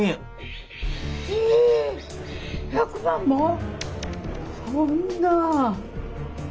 え１００万も⁉そんな。